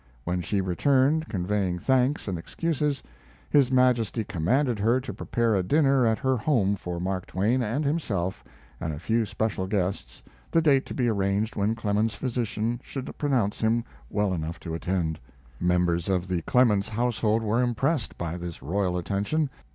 When she returned, conveying thanks and excuses, his Majesty commanded her to prepare a dinner at her home for Mark Twain and himself and a few special guests, the date to be arranged when Clemens's physician should pronounce him well enough to attend. Members of the Clemens household were impressed by this royal attention.